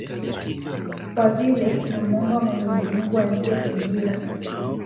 kwa vile na muomba mwenyezi mungu anipe subira